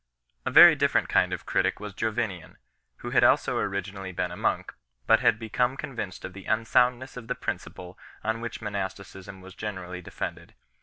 A very different kind of critic was Jovinian 5 , who had also originally been a monk, but had become convinced of the unsoundness of the principle on which monasticism was generally defended.